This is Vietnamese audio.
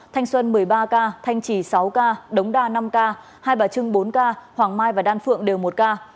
thanh xuân một mươi ba ca thanh trì sáu ca đống đa năm ca hai bà trưng bốn ca hoàng mai và đan phượng đều một ca